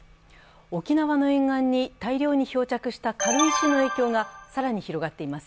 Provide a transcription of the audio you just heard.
沖縄の沿岸に大量の漂着した軽石の影響が更に広がっています。